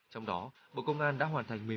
trong đó bộ công an đã hoàn thành